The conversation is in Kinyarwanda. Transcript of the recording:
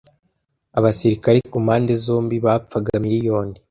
Abasirikare kumpande zombi bapfaga miriyoni.